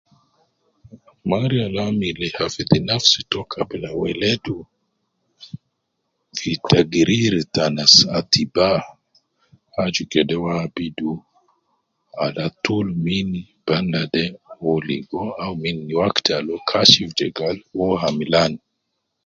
Marya ab amili kafiri na nfsi to kabla weledu fi tagrir ta atibaa aju kede uwo abidu ala tul min batna de oligo au min wakti Al uwo kaship gal uwo hamlan